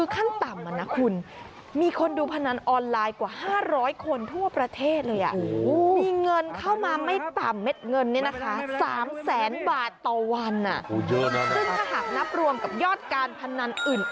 ควบคุมสถานการณ์โควิด๑๙ด้วยนะ